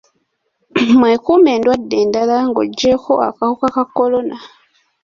Mwekuume endwadde endala ng'oggyeko akawuka ka kolona.